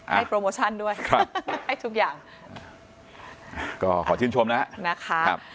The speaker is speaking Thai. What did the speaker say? โปรโมชั่นด้วยให้ทุกอย่างก็ขอชื่นชมนะนะคะ